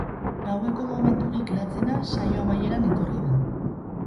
Gaueko momenturik latzena saio amaieran etorri da.